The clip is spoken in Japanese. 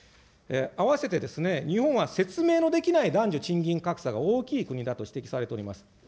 併せて、日本は説明のできない男女賃金格差が大きい国だと指摘されております。